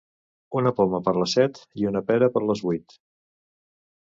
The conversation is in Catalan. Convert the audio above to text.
Una poma per la set i una pera per les vuit.